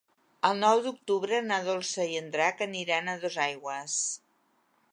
El nou d'octubre na Dolça i en Drac aniran a Dosaigües.